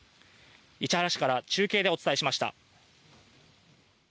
市原市から中継でお伝えしました。